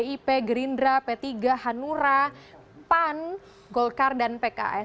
pdip gerindra p tiga hanura pan golkar dan pks